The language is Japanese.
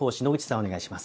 お願いします。